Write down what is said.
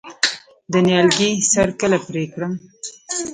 د نیالګي سر کله پرې کړم؟